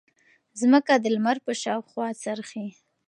ځمکه د لمر په شاوخوا څرخي.